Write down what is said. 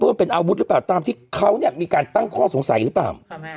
มันเป็นอาวุธหรือเปล่าตามที่เขาเนี่ยมีการตั้งข้อสงสัยหรือเปล่า